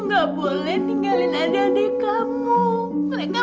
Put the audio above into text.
karena aku sayang sama mereka